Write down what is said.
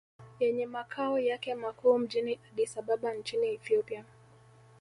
Yenye makao yake makuu mjini Addis Ababa nchini Ethiopia